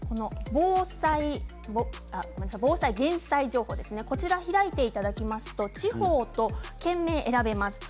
防災・減災情報を開いていただきますと地方と県名が選べます。